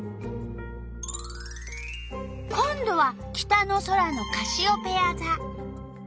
今度は北の空のカシオペヤざ。